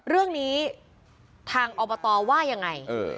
เรื่องนี้ทางอบตว่ายังไง